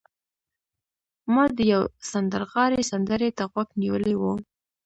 ما د یو سندرغاړي سندرې ته غوږ نیولی و